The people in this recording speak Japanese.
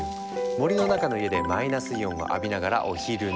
森の中の家でマイナスイオンを浴びながらお昼寝。